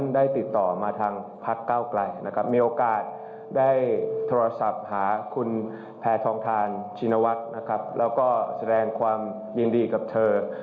ได้โทรศัพท์หาคุณแพทองทานชินวัฒน์นะครับแล้วก็แสดงความยินดีกับเธอ